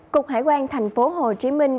cục hải quan thành phố hồ chí minh